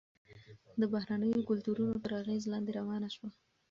د بهرنیو کلتورونو تر اغیز لاندې رانه شو.